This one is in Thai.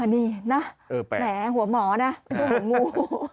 นี่นะแหมหัวหมอนะไม่ใช่หัวงู